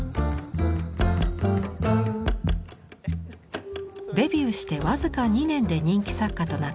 デビューして僅か２年で人気作家となったかがくいさん。